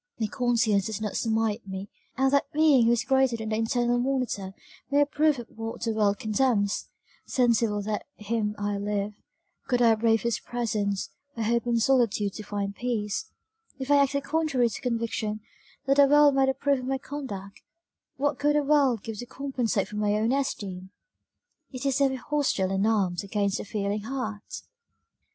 My conscience does not smite me, and that Being who is greater than the internal monitor, may approve of what the world condemns; sensible that in Him I live, could I brave His presence, or hope in solitude to find peace, if I acted contrary to conviction, that the world might approve of my conduct what could the world give to compensate for my own esteem? it is ever hostile and armed against the feeling heart!